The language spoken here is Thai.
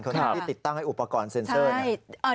คนที่ติดตั้งให้อุปกรณ์เซ็นเซอร์